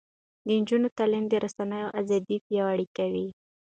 د نجونو تعلیم د رسنیو ازادي پیاوړې کوي.